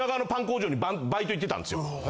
工場にバイト行ってたんですよ。